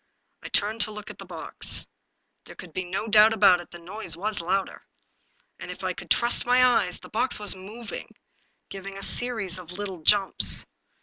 I turned to look at the box. There could be no doubt about it; the noise was louder. And, if I could trust my eyes, the box was moving — giving a series of little jumps.